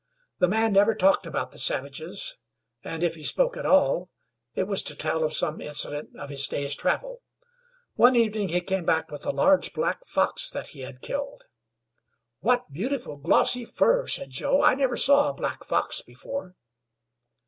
The man never talked about the savages, and if he spoke at all it was to tell of some incident of his day's travel. One evening he came back with a large black fox that he had killed. "What beautiful, glossy fur!" said Joe. "I never saw a black fox before."